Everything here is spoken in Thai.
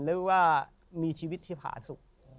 หรือว่ามีชีวิตที่ผาสุข